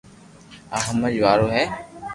آ ھمج وارو ھي